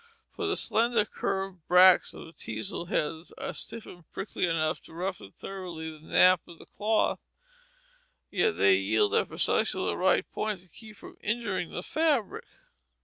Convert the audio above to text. For the slender recurved bracts of the teazel heads are stiff and prickly enough to roughen thoroughly the nap of the cloth, yet they yield at precisely the right point to keep from injuring the fabric.